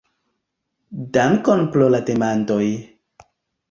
Dankon pro la demandoj!